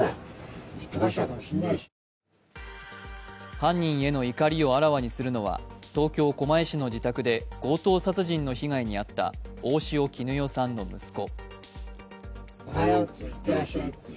犯人への怒りをあらわにするのは東京・狛江市の自宅で強盗殺人の被害に遭った大塩衣与さんの息子。